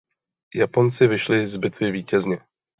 Japonci vyšli z bitvy vítězně.